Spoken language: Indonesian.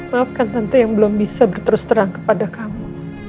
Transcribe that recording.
maafkan tante yang belum bisa terus berterang kepada kamu